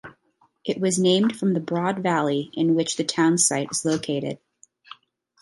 It was named from the broad valley in which the town site is located.